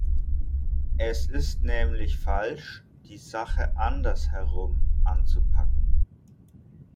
Es ist nämlich falsch, die Sache anders herum anzupacken.